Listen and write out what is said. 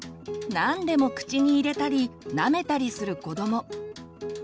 何でも口に入れたりなめたりする子ども。